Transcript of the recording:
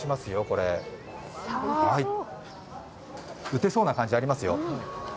打てそうな感じありますよ。